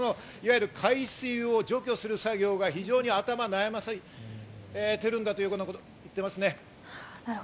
海水を除去する作業が非常に頭を悩ませているんだということを言っています。